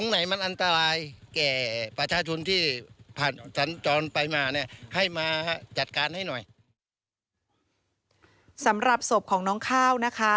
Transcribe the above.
ให้แก่ปัชฌาชนที่ผ่านจรไปมาเนี้ยให้มาจัดการให้หน่อยสำหรับศพของน้องข้าวนะคะ